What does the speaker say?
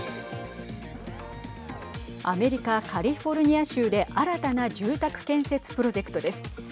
アメリカ、カリフォルニア州で新たな住宅建設プロジェクトです。